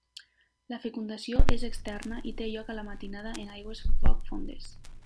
La fecundació és externa i té lloc a la matinada en aigües poc fondes.